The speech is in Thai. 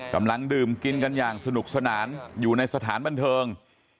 กำลังดื่มกินกันอย่างสนุกสนานอยู่ในสถานบันเทิง